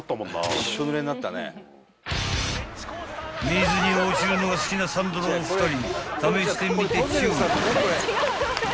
［水に落ちるのが好きなサンドのお二人］